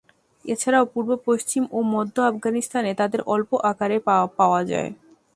এছাড়াও পূর্ব, পশ্চিম ও মধ্য আফগানিস্তানে তাদের অল্প আকারে পাওয়াযায়।